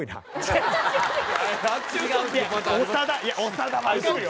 長田はわかるよ。